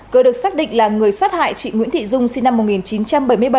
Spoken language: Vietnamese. cơ được xác định là người sát hại chị nguyễn thị dung sinh năm một nghìn chín trăm bảy mươi bảy